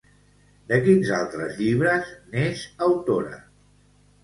De quins altres llibres n'és autora?